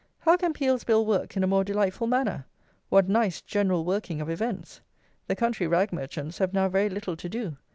How can Peel's Bill work in a more delightful manner? What nice "general working of events!" The country rag merchants have now very little to do.